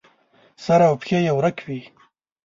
سر او پښې یې ورک وي.